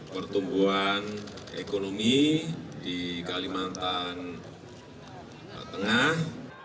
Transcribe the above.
pertumbuhan ekonomi di kalimantan tengah